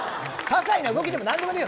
些細な動きでも何でもねえよ